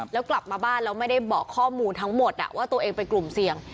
แล้วกลับมาบ้านแล้วไม่ได้บอกข้อมูลทั้งหมดว่าตัวเองเป็นกลุ่มเสี่ยง